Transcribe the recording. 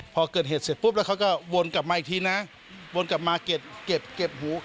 พอเกิดเหตุเสร็จปุ๊บแล้วเขาก็วนกลับมาอีกทีนะวนกลับมาเก็บหู